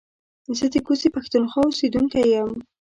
زه د کوزې پښتونخوا اوسېدونکی يم